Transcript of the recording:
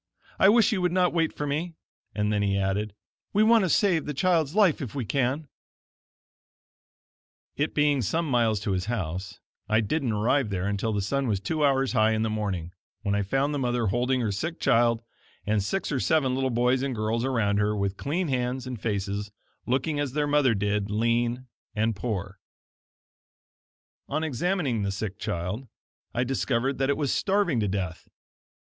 I wish you would not wait for me"; and then he added: "We want to save the child's life if we can." It being some miles to his house, I didn't arrive there until the sun was two hours high in the morning, when I found the mother holding her sick child, and six or seven little boys and girls around her, with clean hands and faces, looking as their mother did, lean and poor. On examining the sick child, I discovered that it was starving to death!